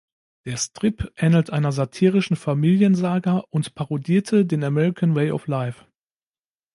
Der Strip ähnelt einer satirischen Familiensaga und parodierte den American Way of Life.